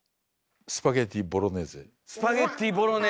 スパゲッティボロネーゼ！